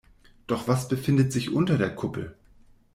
Doch was befindet sich unter der Kuppel?